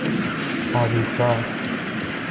آریسا